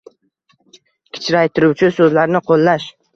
Kichraytiruvchi so‘zlarni qo‘llash